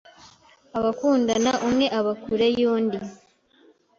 abakundana umwe aba kure y’undi